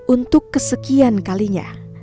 untuk kesekian kalinya